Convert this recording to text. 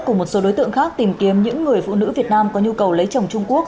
câu kết của một số đối tượng khác tìm kiếm những người phụ nữ việt nam có nhu cầu lấy chồng trung quốc